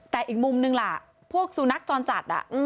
แต่อีกมุมนึงล่ะพวกสุนัขจรจัด